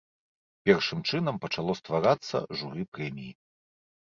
Першым чынам пачало стварацца журы прэміі.